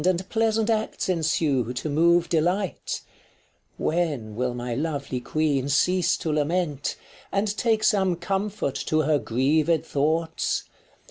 And pleasant acts ensue, to move delight ? When will my lovely queen cease to lament, 5 And take some comfort to her grieved thoughts